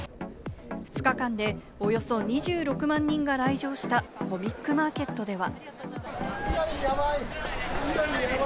２日間でおよそ２６万人が来場したコミックマーケットでは。